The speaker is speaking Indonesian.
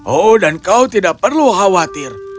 oh dan kau tidak perlu khawatir